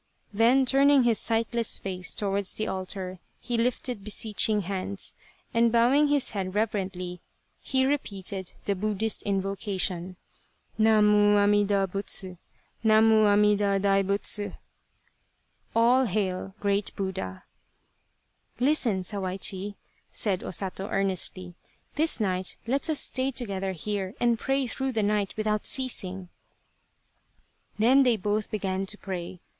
" then turning his sightless face towards the altar he lifted beseeching hands, and bowing his head reverently, he repeated the Buddhist invocation :" Namu Amida Butsu ! Namu Amida Dai Eutsu !" (All hail, Great Buddha !)" Listen, Sawaichi," said O Sato, earnestly, " this night let us stay together here and pray through the night without ceasing." Then they both began to pray.